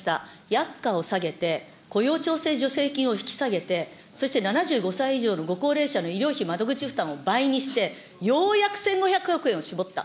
薬価を下げて、雇用調整助成金を引き下げて、そして７５歳以上のご高齢者の医療費窓口負担を倍にしてようやく１５００億円をしぼった。